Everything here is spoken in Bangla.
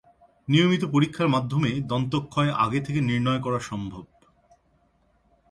নিয়মিত পরীক্ষার মাধ্যমে দন্তক্ষয় আগে থেকে নির্ণয় করা সম্ভব।